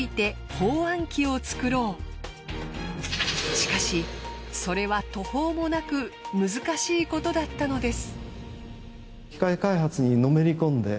しかしそれは途方もなく難しいことだったのです。